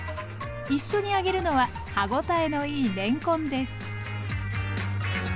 一緒に揚げるのは歯応えのいいれんこんです。